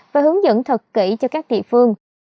và hướng dẫn thật kỹ cho các thị phương